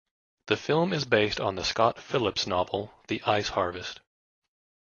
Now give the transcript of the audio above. The film is based on the Scott Phillips novel "The Ice Harvest".